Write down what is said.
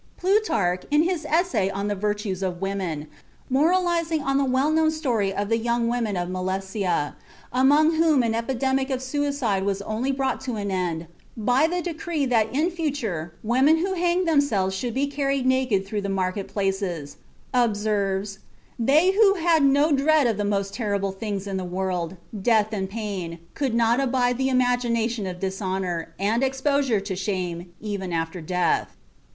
Plutarch, in his essay on the "Virtues of Women," moralizing on the well known story of the young women of Milesia, among whom an epidemic of suicide was only brought to an end by the decree that in future women who hanged themselves should be carried naked through the market places, observes: "They, who had no dread of the most terrible things in the world, death and pain, could not abide the imagination of dishonor, and exposure to shame, even after death."